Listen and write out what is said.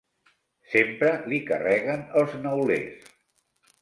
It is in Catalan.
Sempre li carreguen els neulers.